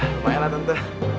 ya lumayan lah tentu